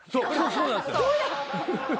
そうなんですよ。